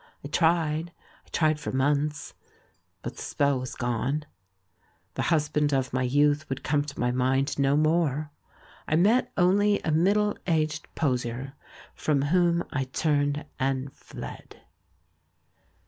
I tried, I tried for months, but the spell was gone. The husband of my youth would come to my mind no more — I met only a middle aged poseur, from whom I turned and fled.